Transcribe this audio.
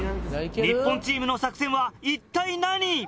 日本チームの作戦は一体何？